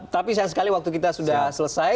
tapi sayang sekali waktu kita sudah selesai